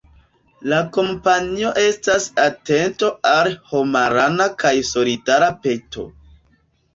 La kampanjo estas atento al homarana kaj solidara peto.